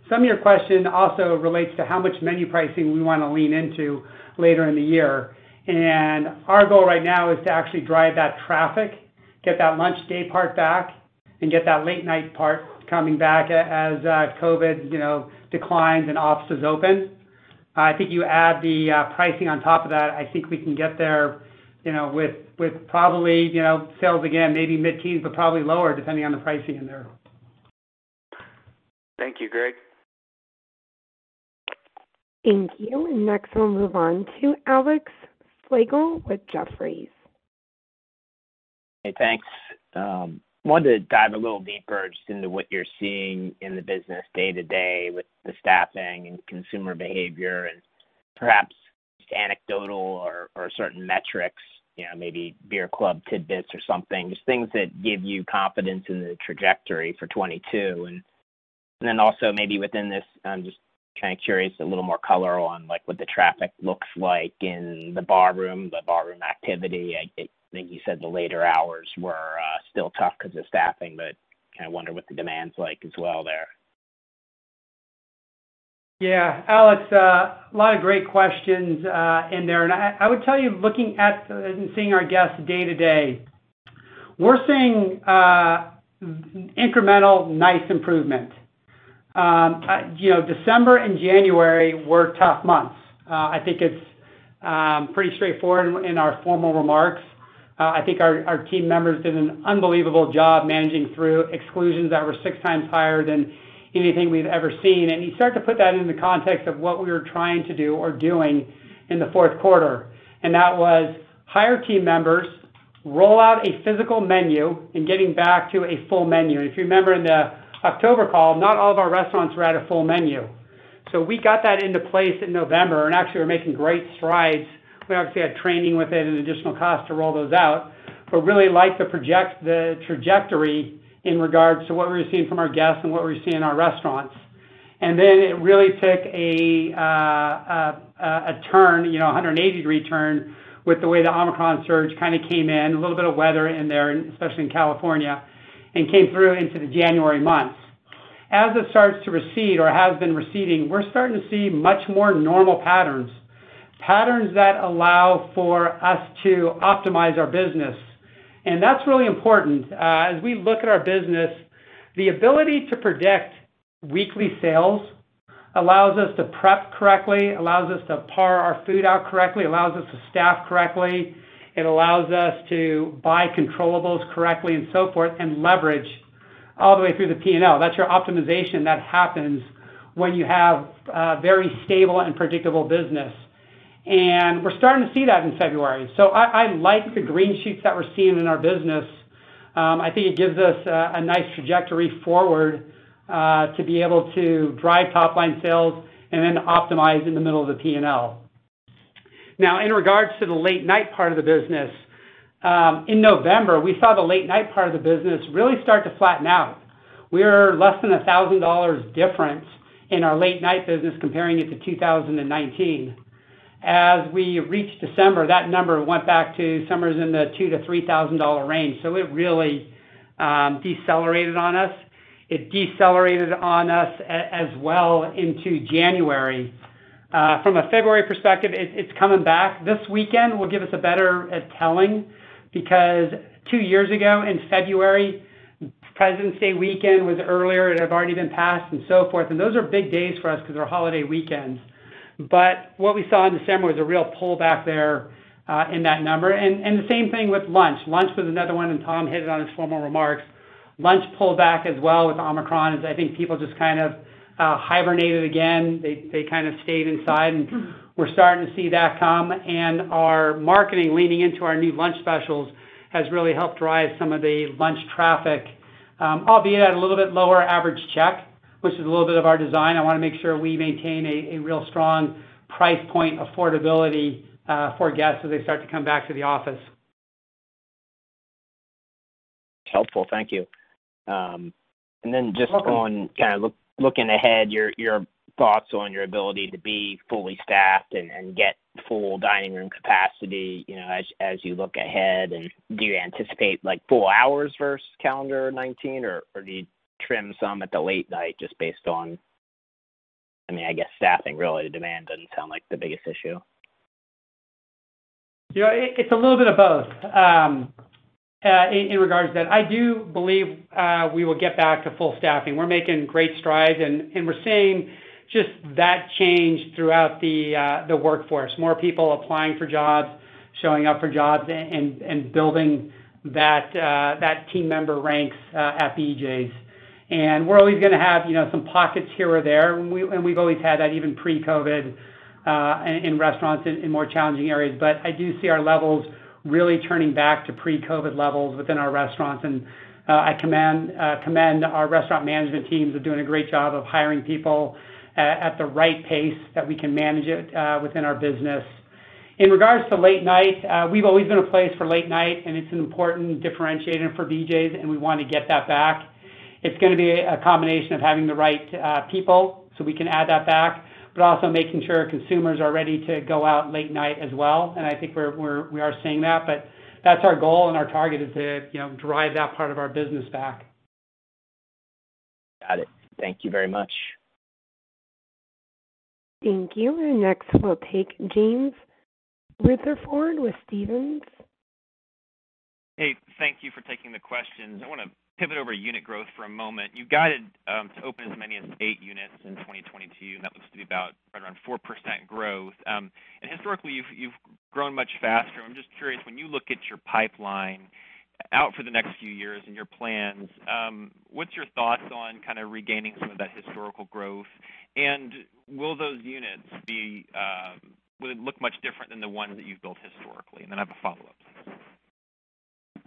some of your question also relates to how much menu pricing we wanna lean into later in the year. Our goal right now is to actually drive that traffic, get that lunch day part back, and get that late night part coming back as COVID, you know, declines and offices open. I think you add the pricing on top of that. I think we can get there, you know, with probably, you know, sales again, maybe mid-teens, but probably lower depending on the pricing in there. Thank you, Greg. Thank you. Next we'll move on to Alex Slagle with Jefferies. Hey, thanks. Wanted to dive a little deeper just into what you're seeing in the business day to day with the staffing and consumer behavior, and perhaps anecdotal or certain metrics, you know, maybe beer club tidbits or something, just things that give you confidence in the trajectory for 2022. And then also maybe within this, I'm just kind of curious, a little more color on, like, what the traffic looks like in the bar room, the bar room activity. I think you said the later hours were still tough because of staffing, but kind of wonder what the demand's like as well there. Yeah. Alex, a lot of great questions in there. I would tell you, looking at and seeing our guests day to day, we're seeing incremental nice improvement. You know, December and January were tough months. I think it's pretty straightforward in our formal remarks. I think our team members did an unbelievable job managing through exclusions that were six times higher than anything we've ever seen. You start to put that into context of what we were trying to do or doing in the fourth quarter, and that was hire team members, roll out a physical menu, and getting back to a full menu. If you remember in the October call, not all of our restaurants were at a full menu. We got that into place in November, and actually we're making great strides. We obviously had training with it and additional cost to roll those out, but really like the project, the trajectory in regards to what we were seeing from our guests and what we were seeing in our restaurants. Then it really took a turn, you know, a 180-degree turn with the way the Omicron surge kind of came in, a little bit of weather in there, especially in California, and came through into the January months. As it starts to recede or has been receding, we're starting to see much more normal patterns that allow for us to optimize our business. That's really important. As we look at our business, the ability to predict weekly sales allows us to prep correctly, allows us to par our food out correctly, allows us to staff correctly, it allows us to buy controllables correctly and so forth, and leverage all the way through the P&L. That's your optimization that happens when you have a very stable and predictable business. We're starting to see that in February. I like the green sheets that we're seeing in our business. I think it gives us a nice trajectory forward, to be able to drive top line sales and then optimize in the middle of the P&L. Now, in regards to the late night part of the business, in November, we saw the late night part of the business really start to flatten out. We were less than $1,000 difference in our late night business comparing it to 2019. As we reached December, that number went back to somewhere in the $2,000-$3,000 range. It really decelerated on us. It decelerated on us as well into January. From a February perspective, it's coming back. This weekend will give us a better telling because two years ago in February, President's Day weekend was earlier. It had already been passed and so forth. Those are big days for us because they're holiday weekends. What we saw in December was a real pullback there in that number. The same thing with lunch. Lunch was another one, and Tom hit it on his formal remarks. Lunch pulled back as well with Omicron, as I think people just kind of hibernated again. They kind of stayed inside. We're starting to see that come. Our marketing leaning into our new lunch specials has really helped drive some of the lunch traffic, albeit at a little bit lower average check, which is a little bit of our design. I want to make sure we maintain a real strong price point affordability for guests as they start to come back to the office. Helpful. Thank you. You're welcome. Looking ahead, your thoughts on your ability to be fully staffed and get full dining room capacity, you know, as you look ahead. Do you anticipate, like, full hours versus calendar 2019 or do you trim some at the late night just based on, I mean, I guess staffing, really. The demand doesn't sound like the biggest issue. You know, it's a little bit of both in regards to that. I do believe we will get back to full staffing. We're making great strides, and we're seeing just that change throughout the workforce. More people applying for jobs, showing up for jobs, and building that team member ranks at BJ's. We're always gonna have, you know, some pockets here or there, and we've always had that even pre-COVID in restaurants in more challenging areas. I do see our levels really turning back to pre-COVID levels within our restaurants. I commend our restaurant management teams of doing a great job of hiring people at the right pace that we can manage it within our business. In regards to late night, we've always been a place for late night, and it's an important differentiator for BJ's, and we want to get that back. It's gonna be a combination of having the right people, so we can add that back, but also making sure consumers are ready to go out late night as well. I think we are seeing that. That's our goal and our target is to, you know, drive that part of our business back. Got it. Thank you very much. Thank you. Next we'll take James Rutherford with Stephens. Hey, thank you for taking the questions. I want to pivot over unit growth for a moment. You've guided to open as many as eight units in 2022, and that looks to be about right around 4% growth. And historically, you've grown much faster. I'm just curious, when you look at your pipeline out for the next few years and your plans, what's your thoughts on kind of regaining some of that historical growth? And will those units be, will it look much different than the ones that you've built historically? And then I have a follow-up.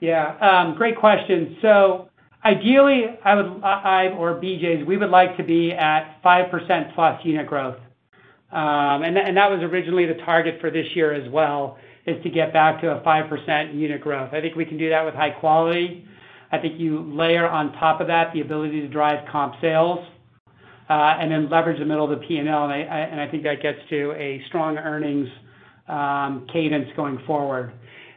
Yeah. Great question. Ideally, I or BJ's, we would like to be at 5%+ unit growth. That was originally the target for this year as well, to get back to a 5% unit growth. I think we can do that with high quality. I think you layer on top of that the ability to drive comp sales, and then leverage the middle of the P&L, and I think that gets to a strong earnings cadence going forward.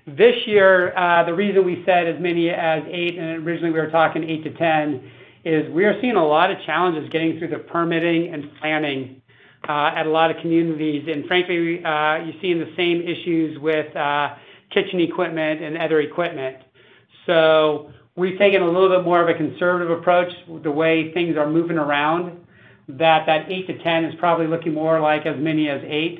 This year, the reason we said as many as eight, and originally we were talking eight-10, is we are seeing a lot of challenges getting through the permitting and planning at a lot of communities. Frankly, you're seeing the same issues with kitchen equipment and other equipment. We've taken a little bit more of a conservative approach with the way things are moving around, that eight-10 is probably looking more like as many as eight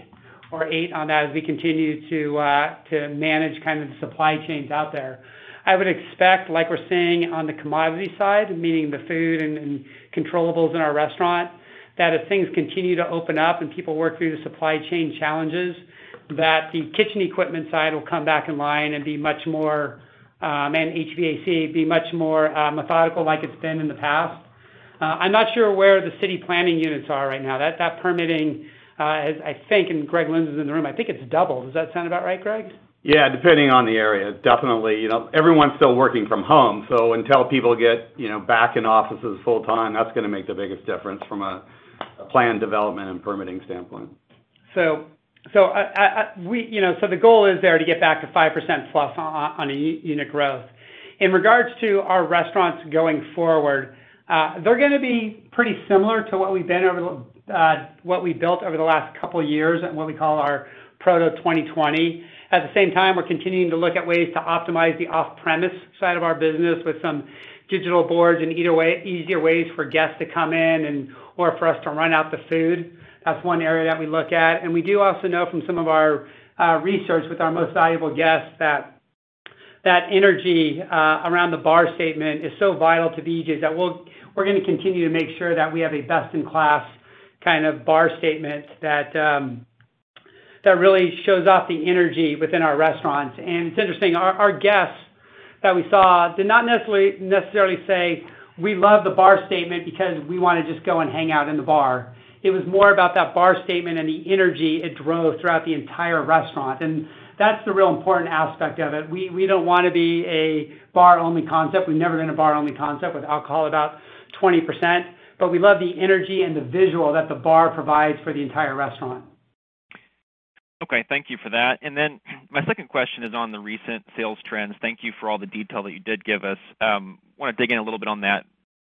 or eight on that as we continue to manage kind of the supply chains out there. I would expect, like we're seeing on the commodity side, meaning the food and controllables in our restaurant, that as things continue to open up and people work through the supply chain challenges, that the kitchen equipment side will come back in line and be much more and HVAC be much more methodical like it's been in the past. I'm not sure where the city planning units are right now. That permitting has, I think, and Greg Lynds is in the room, I think it's doubled. Does that sound about right, Greg? Yeah, depending on the area. Definitely. You know, everyone's still working from home, so until people get, you know, back in offices full time, that's gonna make the biggest difference from a plan development and permitting standpoint. You know, the goal is there to get back to 5%+ on unit growth. In regards to our restaurants going forward, they're gonna be pretty similar to what we've built over the last couple years and what we call our Proto 2020. At the same time, we're continuing to look at ways to optimize the off-premise side of our business with some digital boards and other easier ways for guests to come in and/or for us to run out the food. That's one area that we look at. We do also know from some of our research with our most valuable guests that energy around the bar statement is so vital to BJ's that we're gonna continue to make sure that we have a best in class kind of bar statement that really shows off the energy within our restaurants. It's interesting, our guests that we saw did not necessarily say, "We love the bar statement because we wanna just go and hang out in the bar." It was more about that bar statement and the energy it drove throughout the entire restaurant. That's the real important aspect of it. We don't wanna be a bar-only concept. We've never been a bar-only concept with alcohol about 20%, but we love the energy and the visual that the bar provides for the entire restaurant. Okay. Thank you for that. My second question is on the recent sales trends. Thank you for all the detail that you did give us. Wanna dig in a little bit on that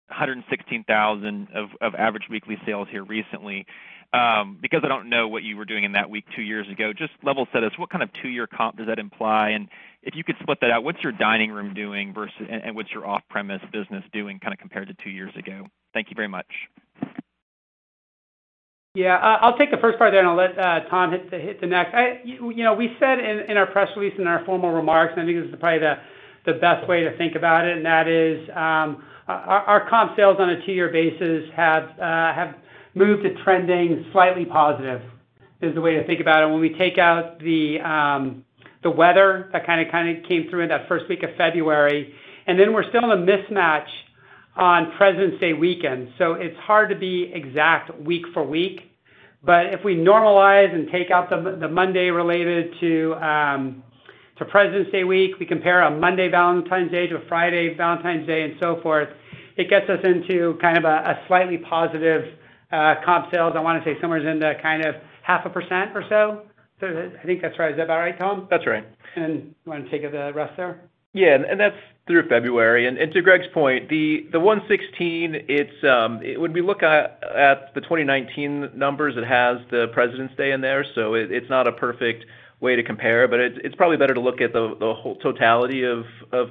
116,000 of average weekly sales here recently. Because I don't know what you were doing in that week two years ago, just level set us. What kind of two-year comp does that imply? If you could split that out, what's your dining room doing versus, and what's your off-premise business doing kin da compared to two years ago? Thank you very much. Yeah. I'll take the first part there, and I'll let Tom hit the next. You know, we said in our press release, in our formal remarks, and I think this is probably the best way to think about it, and that is, our comp sales on a two-year basis have moved to trending slightly positive, is the way to think about it. When we take out the weather that kinda came through in that first week of February, and then we're still in a mismatch on Presidents' Day weekend. It's hard to be exact week for week. If we normalize and take out the Monday related to Presidents' Day week, we compare a Monday Valentine's Day to a Friday Valentine's Day and so forth, it gets us into kind of a slightly positive comp sales. I wanna say somewhere in the kind of 0.5% or so. I think that's right. Is that about right, Tom? That's right. You wanna take the rest there? Yeah. That's through February. To Greg's point, the 116, it's when we look at the 2019 numbers, it has the Presidents' Day in there, so it's not a perfect way to compare. It's probably better to look at the whole totality of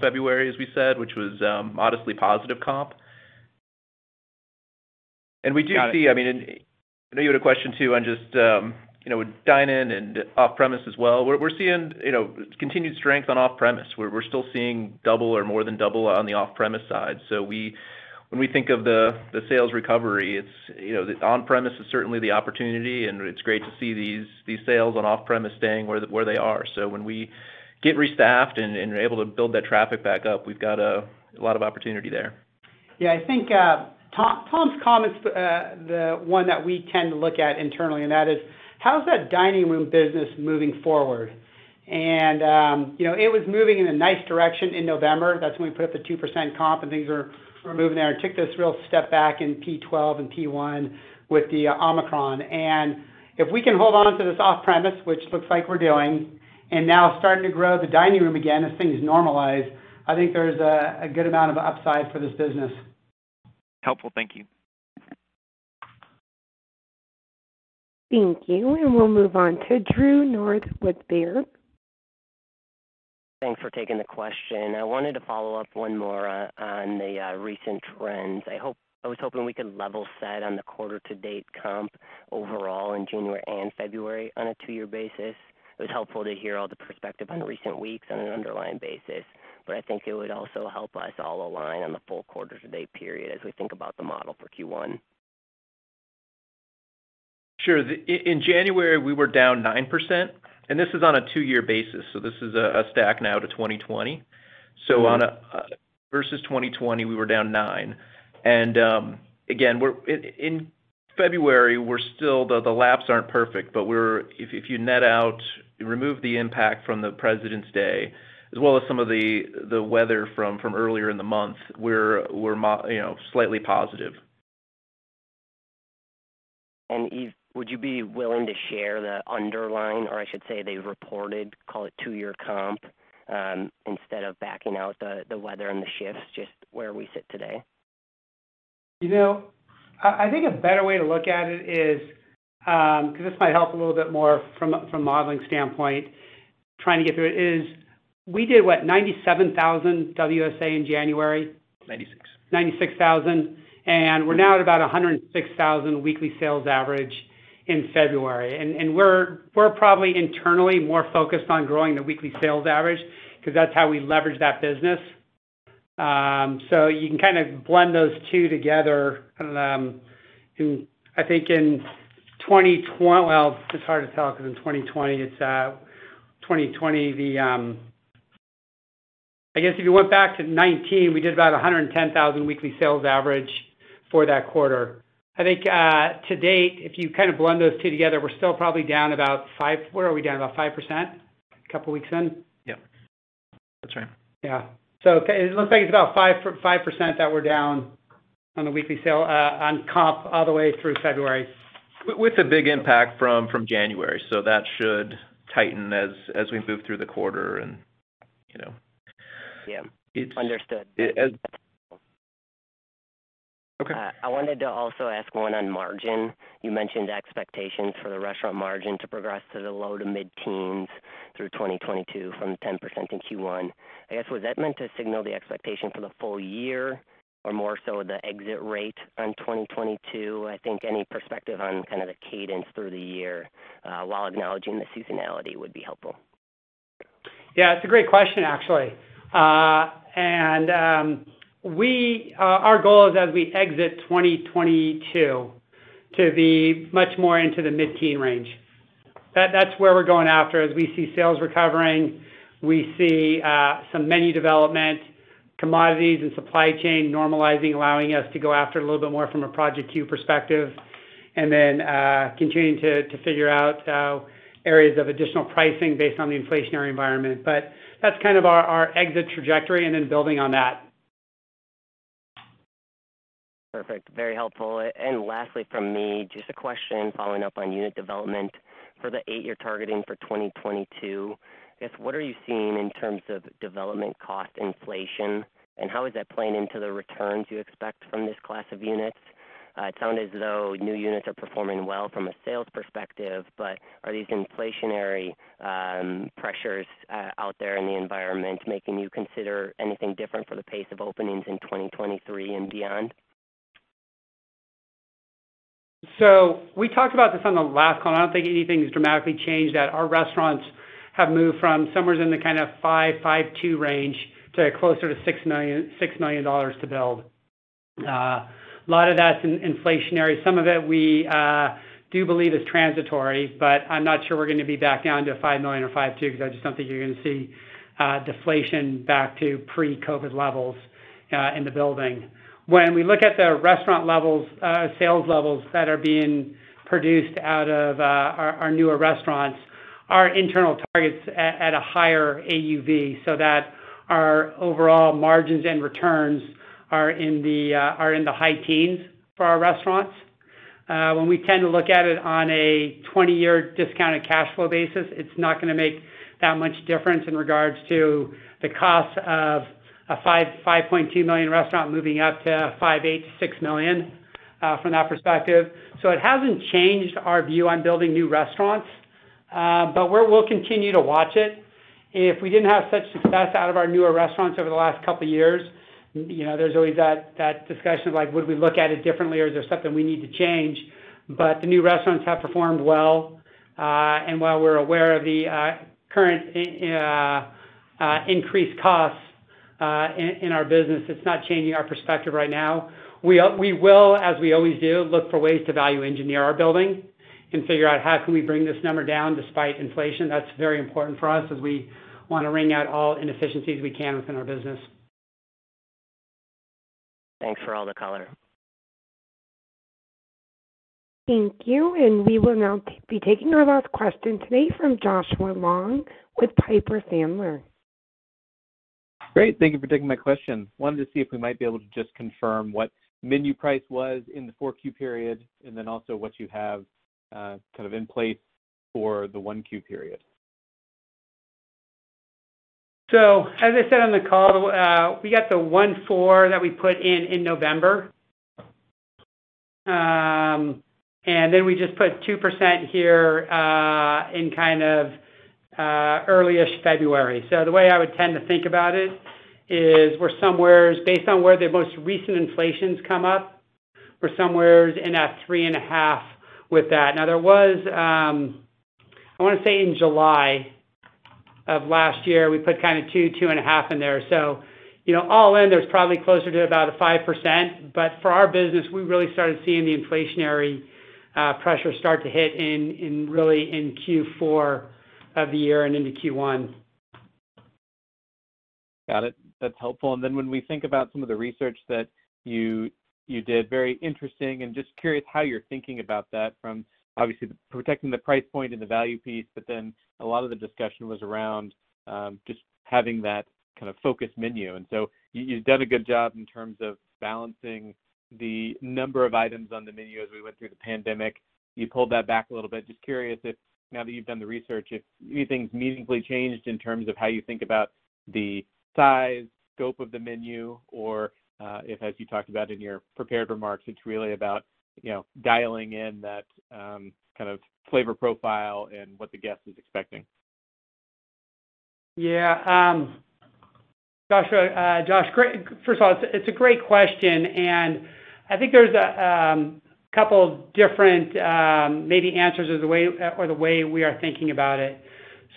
February, as we said, which was modestly positive comp. We do see- Got it. I mean, I know you had a question too on just, you know, dine-in and off-premise as well. We're seeing, you know, continued strength on off-premise. We're still seeing double or more than double on the off-premise side. When we think of the sales recovery, it's, you know, on-premise is certainly the opportunity, and it's great to see these sales on off-premise staying where they are. When we get restaffed and able to build that traffic back up, we've got a lot of opportunity there. Yeah. I think, Tom's comment's the one that we tend to look at internally, and that is, how's that dining room business moving forward? You know, it was moving in a nice direction in November. That's when we put up the 2% comp and things were moving there. It took this real step back in P12 and P1 with the Omicron. If we can hold on to this off-premise, which looks like we're doing, and now starting to grow the dining room again as things normalize, I think there's a good amount of upside for this business. Helpful. Thank you. Thank you. We'll move on to Drew North with Baird. Thanks for taking the question. I wanted to follow up one more on the recent trends. I was hoping we could level set on the quarter to date comp overall in January and February on a two-year basis. It was helpful to hear all the perspective on recent weeks on an underlying basis, but I think it would also help us all align on the full quarter to date period as we think about the model for Q1. Sure. In January, we were down 9%, and this is on a two-year basis, so this is a stack now to 2020. Versus 2020, we were down 9%. Again, in February, we're still, the lapping isn't perfect, but if you net out the impact from President's Day as well as some of the weather from earlier in the month, we're marginally, you know, slightly positive. Greg, would you be willing to share the underlying, or I should say the reported, call it two-year comp, instead of backing out the weather and the shifts just where we sit today? You know, I think a better way to look at it is, because this might help a little bit more from a modeling standpoint, trying to get through it is we did, what, 97,000 WSA in January. Ninety-six. 96,000, and we're now at about 106,000 weekly sales average in February. We're probably internally more focused on growing the weekly sales average because that's how we leverage that business. You can kind of blend those two together. I think in 2020, well, it's hard to tell because in 2020, I guess if you went back to 2019, we did about 110,000 weekly sales average for that quarter. I think, to date, if you kind of blend those two together, we're still probably down about five. Where are we down? About 5% a couple weeks in. Yeah. That's right. It looks like it's about 5.5% that we're down on a weekly sale on comp all the way through February. With a big impact from January. That should tighten as we move through the quarter and, you know. Yeah. Understood. Okay. I wanted to also ask one on margin. You mentioned expectations for the restaurant margin to progress to the low- to mid-teens% through 2022 from 10% in Q1. I guess, was that meant to signal the expectation for the full year or more so the exit rate on 2022? I think any perspective on kind of the cadence through the year, while acknowledging the seasonality would be helpful. Yeah, it's a great question actually. Our goal is as we exit 2022 to be much more into the mid-teen range. That's where we're going after. As we see sales recovering, we see some menu development, commodities and supply chain normalizing, allowing us to go after a little bit more from a Project Q perspective and then continuing to figure out areas of additional pricing based on the inflationary environment. That's kind of our exit trajectory and then building on that. Perfect. Very helpful. Lastly from me, just a question following up on unit development. For the eight you're targeting for 2022, I guess, what are you seeing in terms of development cost inflation, and how is that playing into the returns you expect from this class of units? It sounded as though new units are performing well from a sales perspective, but are these inflationary pressures out there in the environment making you consider anything different for the pace of openings in 2023 and beyond? We talked about this on the last call, and I don't think anything's dramatically changed, that our restaurants have moved from somewhere in the kind of 5-5.2 million range to closer to 6 million to build. A lot of that's in inflationary. Some of it we do believe is transitory, but I'm not sure we're going to be back down to 5 million or 5.2 because I just don't think you're going to see deflation back to pre-COVID levels in the building. When we look at the restaurant levels, sales levels that are being produced out of our newer restaurants, our internal target's at a higher AUV so that our overall margins and returns are in the high teens for our restaurants. When we tend to look at it on a twenty-year discounted cash flow basis, it's not going to make that much difference in regards to the cost of a 5.5 million restaurant moving up to 5.86 million from that perspective. It hasn't changed our view on building new restaurants, but we'll continue to watch it. If we didn't have such success out of our newer restaurants over the last couple years, you know, there's always that discussion of like, would we look at it differently or is there something we need to change? But the new restaurants have performed well. While we're aware of the current increased costs in our business, it's not changing our perspective right now. We will, as we always do, look for ways to value engineer our building and figure out how can we bring this number down despite inflation. That's very important for us as we want to wring out all inefficiencies we can within our business. Thanks for all the color. Thank you. We will now be taking our last question today from Josh Long with Piper Sandler. Great. Thank you for taking my question. I wanted to see if we might be able to just confirm what menu price was in the 4Q period and then also what you have, kind of in place for the 1Q period. As I said on the call, we got the 1.4% that we put in in November. We just put 2% here in kind of early February. The way I would tend to think about it is we're somewhere based on where the most recent inflation's come up, we're somewhere in that 3.5% with that. Now, there was I wanna say in July of last year, we put kind of 2-2.5% in there. You know, all in, there's probably closer to about a 5%. For our business, we really started seeing the inflationary pressure start to hit in really in Q4 of the year and into Q1. Got it. That's helpful. Then when we think about some of the research that you did, very interesting and just curious how you're thinking about that from obviously protecting the price point and the value piece, but then a lot of the discussion was around, just having that kind of focused menu. So you've done a good job in terms of balancing the number of items on the menu as we went through the pandemic. You pulled that back a little bit. Just curious if now that you've done the research, if anything's meaningfully changed in terms of how you think about the size, scope of the menu, or, if, as you talked about in your prepared remarks, it's really about, you know, dialing in that kind of flavor profile and what the guest is expecting. Yeah. Joshua, Josh, great. First of all, it's a great question, and I think there's a couple different maybe answers or the way we are thinking about it.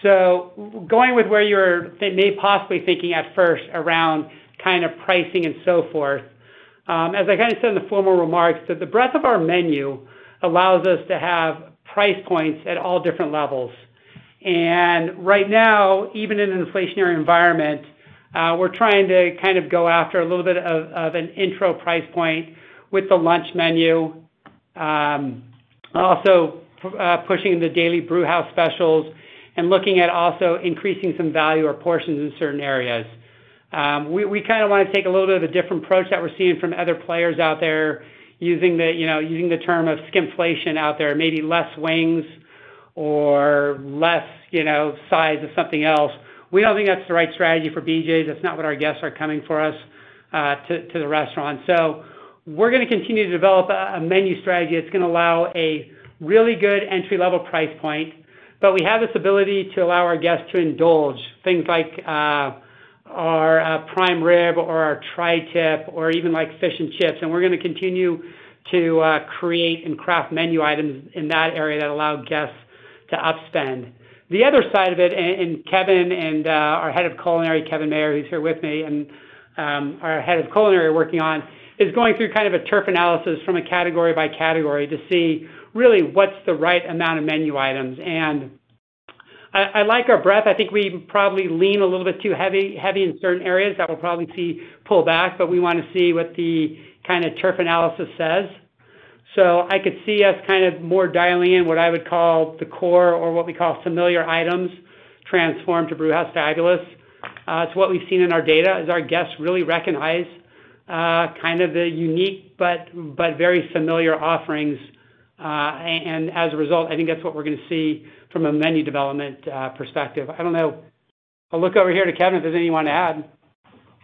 Going with where you're may possibly thinking at first around kind of pricing and so forth, as I kind of said in the formal remarks, that the breadth of our menu allows us to have price points at all different levels. Right now, even in an inflationary environment, we're trying to kind of go after a little bit of an intro price point with the lunch menu, also pushing the daily Brewhouse Specials and looking at also increasing some value or portions in certain areas. We kind of want to take a little bit of a different approach that we're seeing from other players out there using the, you know, term of skimpflation out there, maybe less wings or less, you know, size of something else. We don't think that's the right strategy for BJ's. That's not what our guests are coming for us to the restaurant. We're going to continue to develop a menu strategy that's going to allow a really good entry level price point. We have this ability to allow our guests to indulge things like our prime rib or our tri-tip or even like fish and chips, and we're going to continue to create and craft menu items in that area that allow guests to upgrade. The other side of it, and Kevin and our head of culinary, Kevin Mayer, who's here with me, and our head of culinary working on is going through kind of a turf analysis from a category by category to see really what's the right amount of menu items. I like our breadth. I think we probably lean a little bit too heavy in certain areas that we'll probably see pull back, but we wanna see what the kind of turf analysis says. I could see us kind of more dialing in what I would call the core or what we call familiar items transformed to Brewhouse Fabulous. It's what we've seen in our data, is our guests really recognize kind of the unique but very familiar offerings. As a result, I think that's what we're gonna see from a menu development perspective. I don't know. I'll look over here to Kevin if there's anything you want to add.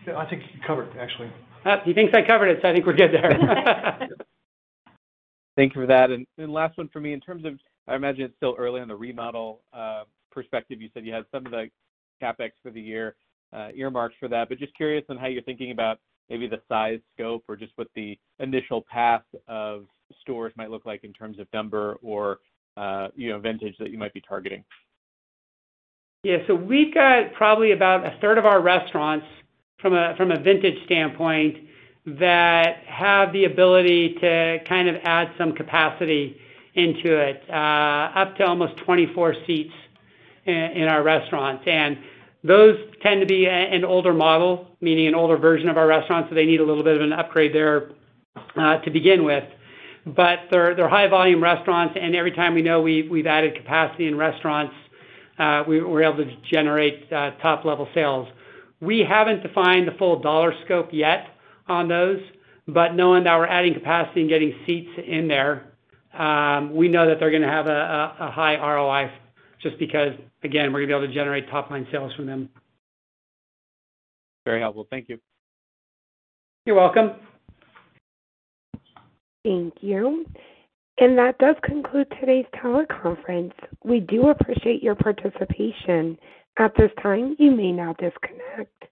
Yeah. I think you covered it, actually. He thinks I covered it, so I think we're good there. Thank you for that. Last one for me. In terms of, I imagine it's still early on the remodel perspective. You said you had some of the CapEx for the year earmarked for that. Just curious on how you're thinking about maybe the size scope or just what the initial path of stores might look like in terms of number or, you know, vintage that you might be targeting. Yeah. We've got probably about a third of our restaurants from a vintage standpoint that have the ability to kind of add some capacity into it, up to almost 24 seats in our restaurants. Those tend to be an older model, meaning an older version of our restaurants, so they need a little bit of an upgrade there to begin with. They're high volume restaurants, and every time we've added capacity in restaurants, we're able to generate top-line sales. We haven't defined the full dollar scope yet on those, but knowing that we're adding capacity and getting seats in there, we know that they're gonna have a high ROI just because, again, we're gonna be able to generate top-line sales from them. Very helpful. Thank you. You're welcome. Thank you. That does conclude today's teleconference. We do appreciate your participation. At this time, you may now disconnect.